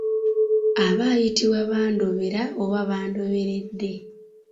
Aba ayitibwa bandobera oba bandoberedde.